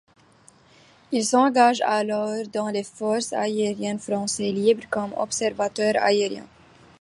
Il s'engage alors dans les Forces Aériennes Françaises Libres comme observateur aérien.